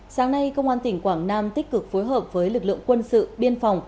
sáng nay công an tỉnh quảng nam tích cực phối hợp với lực lượng quân sự biên phòng